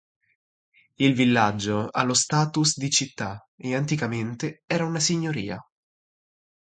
Il villaggio ha lo "status" di città e anticamente era una signoria.